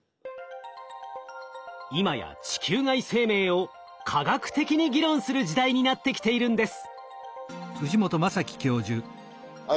今や地球外生命を科学的に議論する時代になってきているんです。